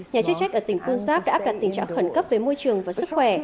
nhà chức trách ở tỉnh punsap đã áp đặt tình trạng khẩn cấp về môi trường và sức khỏe